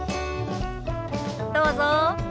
どうぞ。